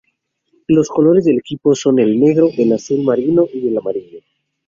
Los colores del equipo son el negro, el azul marino y el amarillo.